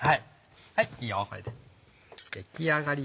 いいよこれで出来上がり。